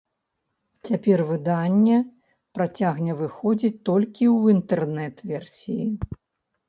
Цяпер выданне працягне выходзіць толькі ў інтэрнэт-версіі.